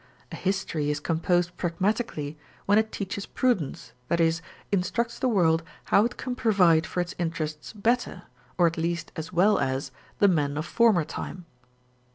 A history is composed pragmatically when it teaches prudence, i.e., instructs the world how it can provide for its interests better, or at least as well as, the men of former time.